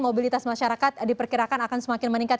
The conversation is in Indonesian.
mobilitas masyarakat diperkirakan akan semakin meningkat